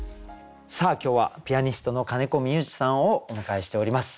さあ今日はピアニストの金子三勇士さんをお迎えしております。